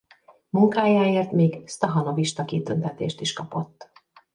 Munkájáért még sztahanovista kitüntetést is kapott.